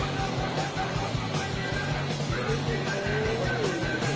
เวลาที่มันได้รู้จักกันแล้วเวลาที่ไม่รู้จักกัน